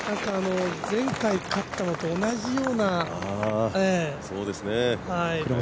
前回、勝ったのと同じようなプレー。